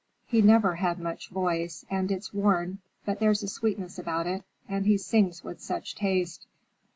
"He never had much voice, and it's worn, but there's a sweetness about it, and he sings with such taste."